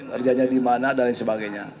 kerjanya dimana dan sebagainya